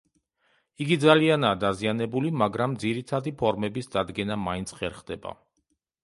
იგი ძალიანაა დაზიანებული, მაგრამ ძირითადი ფორმების დადგენა მაინც ხერხდება.